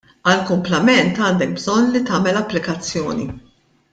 Għall-kumplament, għandek bżonn li tagħmel applikazzjoni.